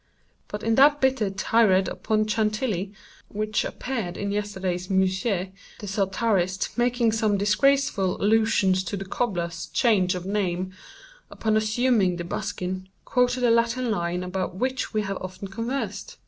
But in that bitter tirade upon Chantilly, which appeared in yesterday's 'Musée,' the satirist, making some disgraceful allusions to the cobbler's change of name upon assuming the buskin, quoted a Latin line about which we have often conversed.